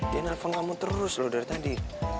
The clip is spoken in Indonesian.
dia nelfon kamu terus loh dari tadi